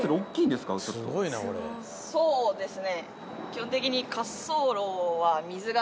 そうですね。